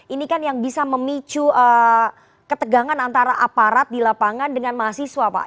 ini kan yang bisa memicu ketegangan antara aparat di lapangan dengan mahasiswa pak